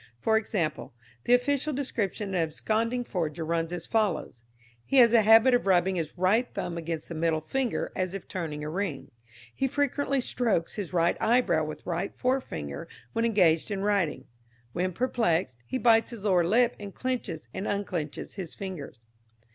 For example, the official description of an absconding forger runs as follows: "He has a habit of rubbing his right thumb against the middle finger as if turning a ring. He frequently strokes his right eyebrow with right forefinger when engaged in writing; when perplexed, he bites his lower lip and clenches and unclenches his fingers."